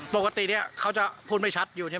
ปกติเขาจะพูดไม่ชัดใช่ไหม